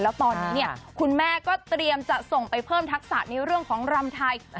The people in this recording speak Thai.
แล้วตอนนี้เนี่ยคุณแม่ก็เตรียมจะส่งไปเพิ่มทักษะในเรื่องของรำไทย